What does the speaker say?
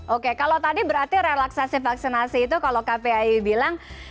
oke kalau tadi berarti relaksasi vaksinasi itu kalau kpi bilang